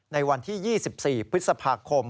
ในวันที่๒๔พฤษภาคม